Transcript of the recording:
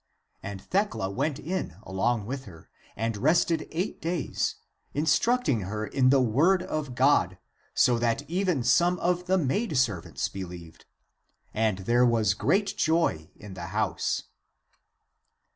And Thecla went in along with her, and rested eight days, instructing her in the word of God, so that even some of the maidservants believed. And there was great joy in the house.